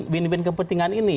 win win kepentingan ini